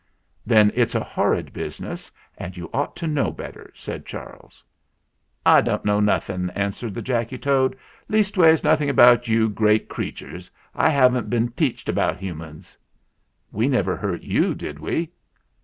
"Then it's a horrid business, and you ought to know better," said Charles. "I don't know nothing," answered the Jacky Toad. "Leastways nothing about you great creatures. I haven't been teached about humans." "We never hurt you, did we?"